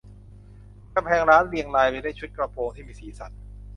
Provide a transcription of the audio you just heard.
กำแพงร้านเรียงรายไปด้วยชุดกระโปรงที่มีสีสัน